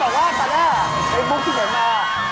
คือจะบอกว่าตอนแรกไอ้บุ๊คที่ใหม่มา